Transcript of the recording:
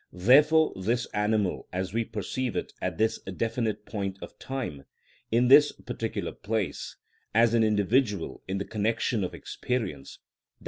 Therefore this animal as we perceive it at this definite point of time, in this particular place, as an individual in the connection of experience (_i.